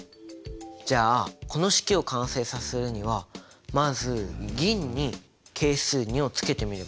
じゃあこの式を完成させるにはまず銀に係数２をつけてみればいいかな？